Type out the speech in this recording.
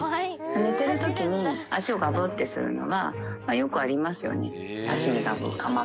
寝てるときに足をがぶってするのは、よくありますよね。